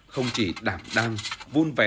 không chỉ đảm đang vun vén